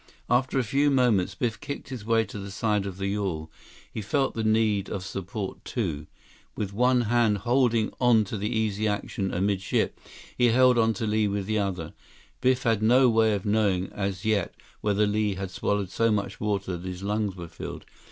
After a few moments, Biff kicked his way to the side of the yawl. He felt the need of support, too. With one hand holding on to the Easy Action amidship, he held onto Li with the other. Biff had no way of knowing as yet whether Li had swallowed so much water that his lungs were filled.